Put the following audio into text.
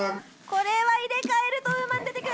これは入れ替えると五萬出てく！